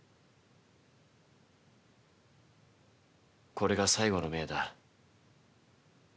これが最後の命だ。